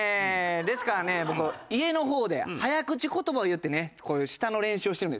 ですからね僕家の方で早口言葉を言ってね舌の練習をしてるんですよね。